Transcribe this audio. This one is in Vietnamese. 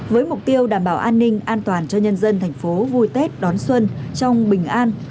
với mục tiêu đảm bảo an ninh an toàn cho nhân dân thành phố vui tết đón xuân trong bình an